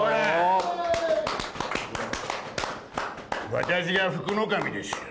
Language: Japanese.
私が福の神ですよ。